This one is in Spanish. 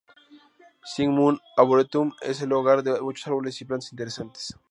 Shing Mun Arboretum es el hogar de muchos árboles y plantas interesantes.